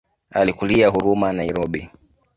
Alikulia Huruma Nairobi.